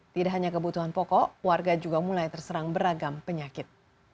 tidak hanya kebutuhan pokok warga juga mulai terserang beragam penyakit